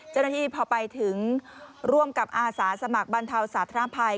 เจ้าหน้าที่พอไปถึงร่วมกับอาสาสมัครบรรเทาสาธารณภัย